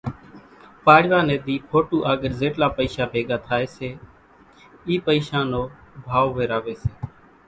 پاڙِوا ني ۮي ڦوٽُو آڳرِ زيٽلا پئيشا ڀيڳا ٿائي سي اِي پئيشان نو ڀائو ويراوي سي